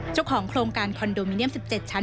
เจ้าของโครงการคอนโดมิเนียม๑๗ชั้น